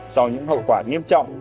so với những hậu quả nghiêm trọng